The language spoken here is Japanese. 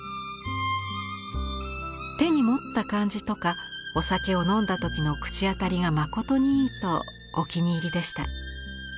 「手に持った感じとかお酒を飲んだ時の口当たりが誠にいい」とお気に入りでした。